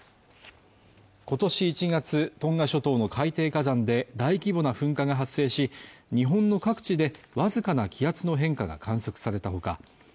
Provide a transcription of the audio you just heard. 今年１月トンガ諸島の海底火山で大規模な噴火が発生し日本の各地でわずかな気圧の変化が観測されたほか